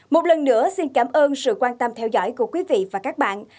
một lần nữa xin cảm ơn sự quan tâm theo dõi của quý vị và các bạn